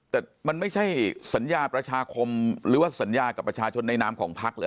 แต่มันไม่ใช่สัญญาประชาคมหรือว่าสัญญากับประชาชนในนามของพักเหรอ